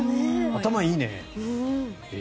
頭いいね。